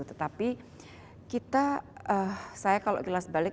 tetapi kita saya kalau jelas balik